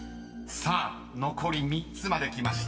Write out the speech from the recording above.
さあ残り３つまできました］